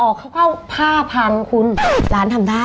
เข้าอ๋อ๕๐๐๐คุณล้านทำได้